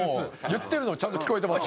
言ってるのはちゃんと聞こえてます。